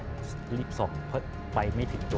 เรียบสอบเพราะไฟไม่ถึงตัว